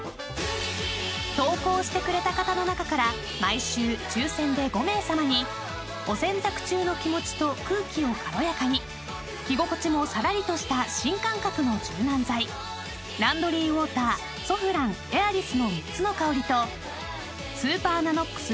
［投稿してくれた方の中から毎週抽選で５名さまにお洗濯中の気持ちと空気を軽やかに着心地もさらりとした新感覚の柔軟剤ランドリーウォーターソフランＡｉｒｉｓの３つの香りとスーパーＮＡＮＯＸ